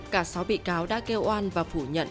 cả sáu bị cáo đã kêu oan và phủ nhận